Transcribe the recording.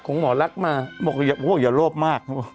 พูดว่าอย่าโลภมาก